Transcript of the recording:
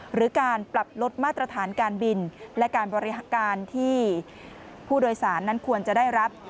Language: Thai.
หรือการปรับลดมาตรฐานการบินและการบริการที่ผู้โดยสารนั้นควรจะได้รับ